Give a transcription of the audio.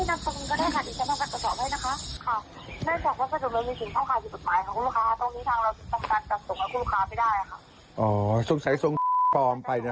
ต้องมีทางเราตั้งซักแต่ส่งไฟี่ทุกวิคาไปได้ค่ะ